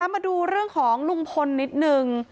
มาดูเรื่องของลุงพลนิดนึง